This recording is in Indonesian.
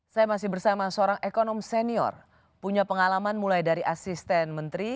saya masih bersama seorang ekonom senior punya pengalaman mulai dari asisten menteri